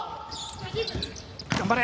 頑張れ！